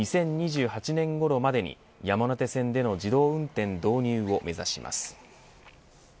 ２０２８年ごろまでに山手線での自動運転導入を目指します。